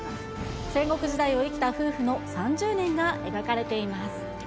戦国時代を生きた夫婦の３０年が描かれています。